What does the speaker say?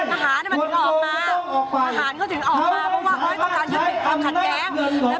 ทหารมันถึงออกมาทหารเขาถึงออกมาเพราะว่าต้องการยุติความขัดแย้ง